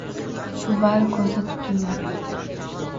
Shu bari ko‘zda tutilgan.